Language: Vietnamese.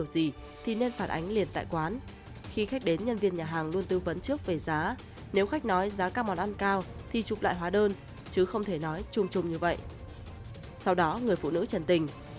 sau đó người phụ nữ trần tình